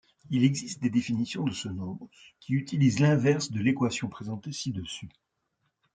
Il existe des définitions de ce nombre qui utilisent l'inverse de l'équation présentée ci-dessus.